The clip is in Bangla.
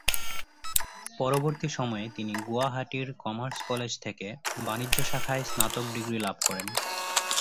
পরবর্তী সময়ে তিনি গুয়াহাটির কমার্স কলেজ থেকে বাণিজ্য শাখায় স্নাতক ডিগ্রী লাভ করেন।